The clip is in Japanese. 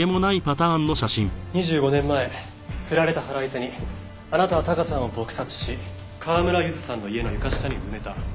２５年前振られた腹いせにあなたはタカさんを撲殺し川村ゆずさんの家の床下に埋めた。